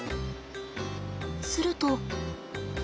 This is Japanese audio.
すると。